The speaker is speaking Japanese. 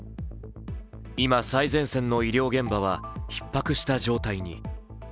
今、最前線の医療現場はひっ迫した状態に。